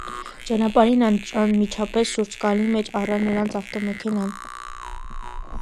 Ճանապարհին անմիջապես շուրջկալի մեջ առա նրանց ավտոմեքենան։